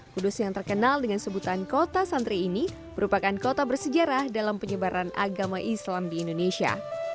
kudus yang terkenal dengan sebutan kota santri ini merupakan kota bersejarah dalam penyebaran agama islam di indonesia